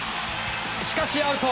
しかし、アウト。